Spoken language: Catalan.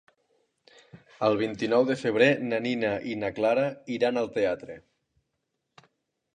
El vint-i-nou de febrer na Nina i na Clara iran al teatre.